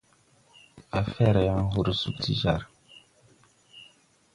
Á fɛr yaŋ hor sug ti jar.